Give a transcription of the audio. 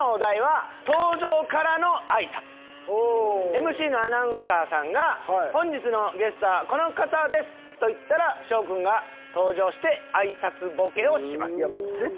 ＭＣのアナウンサーさんが「本日のゲストはこの方です」と言ったら翔君が登場して挨拶ボケをします。